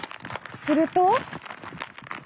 すると。